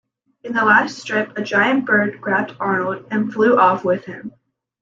In the last strip, a giant bird grabbed Arnold and flew off with him.